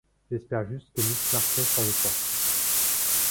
J'espère juste que Miss Marquet s'en est sortie.